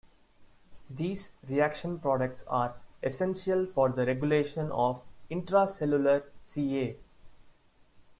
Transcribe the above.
These reaction products are essential for the regulation of intracellular Ca.